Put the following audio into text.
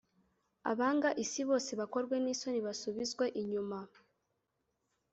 Abanga isi bose ,bakorwe n’isoni basubizwe inyuma